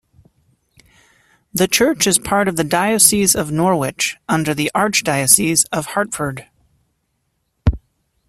The church is part of the Diocese of Norwich, under the Archdiocese of Hartford.